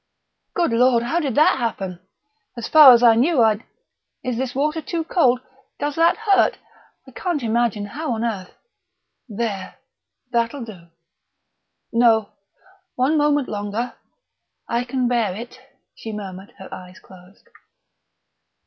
"Good Lord, how did that happen! As far as I knew I'd ... is this water too cold? Does that hurt? I can't imagine how on earth ... there; that'll do " "No one moment longer I can bear it," she murmured, her eyes closed....